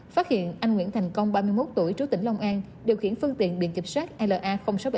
phát hiện anh nguyễn thành công ba mươi một tuổi trú tỉnh long an điều khiển phương tiện biện chụp sát la sáu nghìn bảy trăm bốn mươi ba